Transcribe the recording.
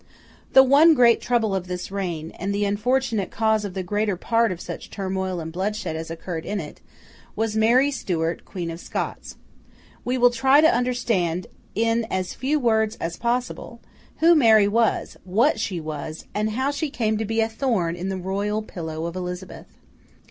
The one great trouble of this reign, and the unfortunate cause of the greater part of such turmoil and bloodshed as occurred in it, was Mary Stuart, Queen of Scots. We will try to understand, in as few words as possible, who Mary was, what she was, and how she came to be a thorn in the royal pillow of Elizabeth.